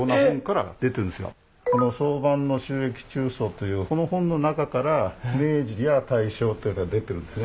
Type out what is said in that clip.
宋版の『周易注疏』というこの本の中から「明治」や「大正」っていうのが出てるんですね。